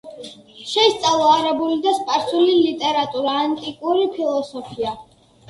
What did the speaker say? შეისწავლა არაბული და სპარსული ლიტერატურა, ანტიკური ფილოსოფია.